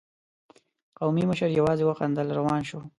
قومي مشر يواځې وخندل، روان شو.